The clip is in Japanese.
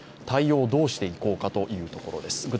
対応をどうしていこうかというところです。